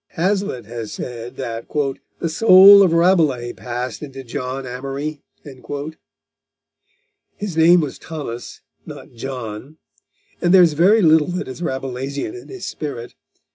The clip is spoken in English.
Hazlitt has said that "the soul of Rabelais passed into John Amory." His name was Thomas, not John, and there is very little that is Rabelaisian in his spirit.